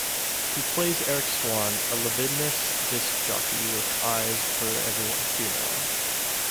He plays Eric Swan, a libidinous disc jockey with eyes for everyone female.